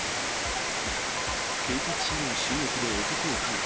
警察車両襲撃で男を逮捕。